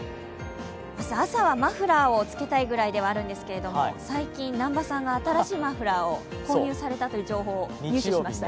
朝はマフラーを着けたいくらいではあるんですけれども、最近、南波さんが新しいマフラーを購入されたという情報を入手しました。